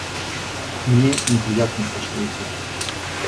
Мне неприятны пошлые темы.